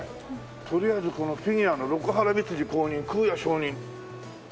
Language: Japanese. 取りあえずこのフィギュアの「六波羅蜜寺公認空也上人」。